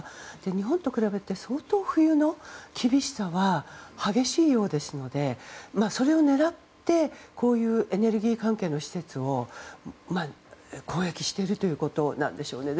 日本と比べて相当、冬の厳しさは激しいようですのでそれを狙ってエネルギー関係の施設を攻撃しているということなんでしょうね。